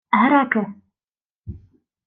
— Греки.